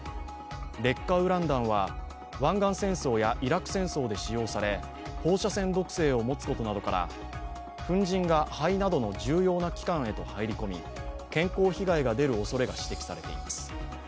劣化ウラン弾は湾岸戦争やイラク戦争で使用され放射線毒性を持つことなどから粉じんが肺などの重要な器官へと入り込み、健康被害が出るおそれが指摘されています。